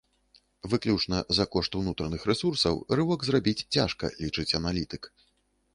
Выключна за кошт унутраных рэсурсаў рывок зрабіць цяжка, лічыць аналітык.